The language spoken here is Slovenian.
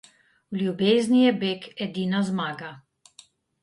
V ljubezni je beg edina zmaga.